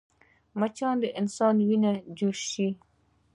مچان د انسان وینه چوشي